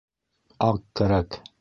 Аҡ кәрәк.